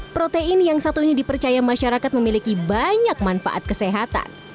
protein yang satunya dipercaya masyarakat memiliki banyak manfaat kesehatan